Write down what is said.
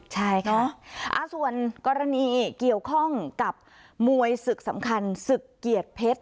ใช่ค่ะส่วนกรณีเกี่ยวข้องกับมวยศึกสำคัญศึกเกียรติเพชร